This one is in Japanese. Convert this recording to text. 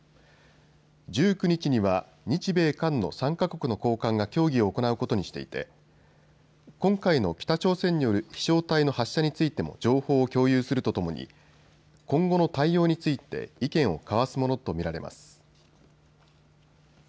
１９日には日米韓の３か国の高官が協議を行うことにしていて今回の北朝鮮による飛しょう体の発射についても情報を共有するとともに今後の対応について意見を交わすものと見られます。